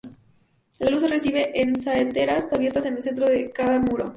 La luz se recibe de saeteras abiertas en el centro de cada muro.